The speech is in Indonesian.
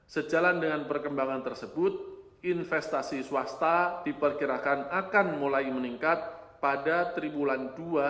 sejalan dengan perkembangan tersebut investasi swasta diperkirakan akan mulai meningkat pada tribulan dua ribu dua puluh